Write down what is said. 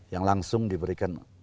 yang langsung diberikan